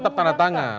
tetap tanda tangan